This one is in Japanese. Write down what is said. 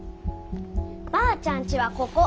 ばあちゃんちはここ！